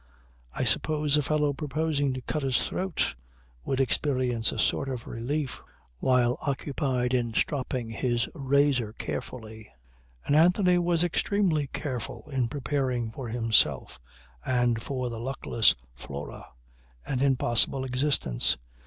I suppose a fellow proposing to cut his throat would experience a sort of relief while occupied in stropping his razor carefully. And Anthony was extremely careful in preparing for himself and for the luckless Flora, an impossible existence.